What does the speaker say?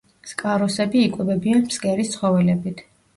სკაროსები იკვებებიან ფსკერის ცხოველებით.